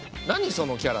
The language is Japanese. そのキャラ。